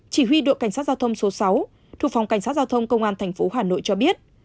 chỉ huy đội cảnh sát giao thông số sáu thủ phòng cảnh sát giao thông công an thành phố hà nội cho biết